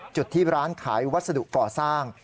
จุดที่ร้านขายวัสดุก่อสร้าง